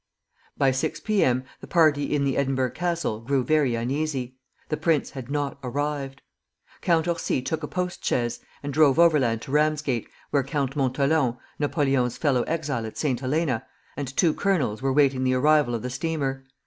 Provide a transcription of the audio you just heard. By six P. M. the party in the "Edinburgh Castle" grew very uneasy; the prince had not arrived. Count Orsi took a post chaise and drove overland to Ramsgate, where Count Montholon (Napoleon's fellow exile at St. Helena) and two colonels were waiting the arrival of the steamer.